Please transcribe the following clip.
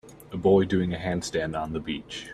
A boy doing a handstand on the beach.